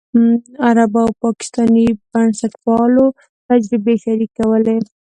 عربو او پاکستاني بنسټپالو تجربې شریکولې.